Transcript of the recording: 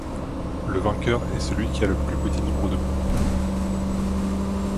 Le vainqueur est celui qui a le plus petit nombre de points.